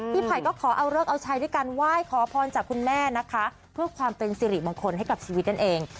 ไผ่ก็ขอเอาเลิกเอาใช้ด้วยการไหว้ขอพรจากคุณแม่นะคะเพื่อความเป็นสิริมงคลให้กับชีวิตนั่นเอง